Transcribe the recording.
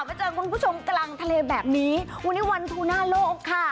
เจอคุณผู้ชมกลางทะเลแบบนี้วันนี้วันทูน่าโลกค่ะ